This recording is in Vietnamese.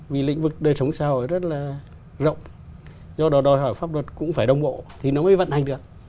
vì lĩnh vực đời sống xã hội rất là rộng do đó đòi hỏi pháp luật cũng phải đồng bộ thì nó mới vận hành được